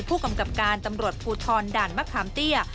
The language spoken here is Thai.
ผู้กำกับการตำรวจภูทรด่านมะขามเตี้ย